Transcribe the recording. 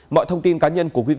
mọi thông tin cá nhân của quý vị